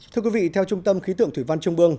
thưa quý vị theo trung tâm khí tượng thủy văn trung ương